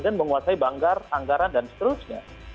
menguasai banggar anggaran dan seterusnya